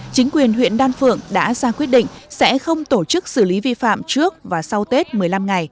chính quyền huyện đan phượng đã ra quyết định sẽ không tổ chức xử lý vi phạm trước và sau tết một mươi năm ngày